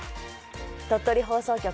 鳥取放送局